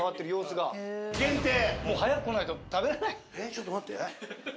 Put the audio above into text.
ちょっと待って。